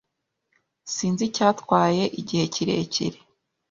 Sinzi icyatwaye igihe kirekire